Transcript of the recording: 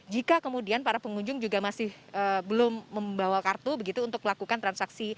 jika kemudian para pengunjung juga masih belum membawa kartu begitu untuk melakukan transaksi